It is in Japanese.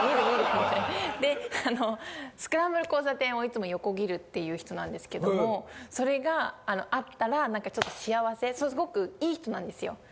スクランブル交差点をいつも横切るっていう人なんですけども、それが会ったらなんかちょっと幸せ、すごくいい人なんですよ。